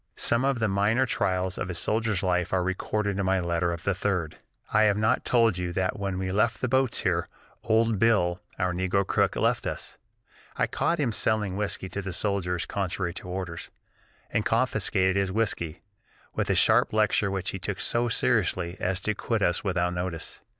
Some of the minor trials of a soldier's life are recorded in my letter of the 3d: "I have not told you that when we left the boats here, old Bill, our negro cook, left us. I caught him selling whiskey to the soldiers contrary to orders, and confiscated his whiskey, with a sharp lecture which he took so seriously as to quit us without notice.